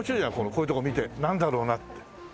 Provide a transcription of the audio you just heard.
こういうところ見てなんだろうなって。